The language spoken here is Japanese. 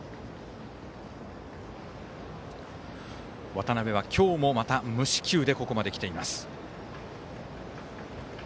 渡辺は今日もまた無四球でここまできています。